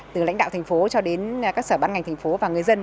từ lãnh đạo thành phố cho đến các sở bán ngành thành phố và người dân